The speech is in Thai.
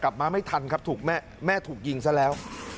มาไม่ทันครับถูกแม่ถูกยิงซะแล้ว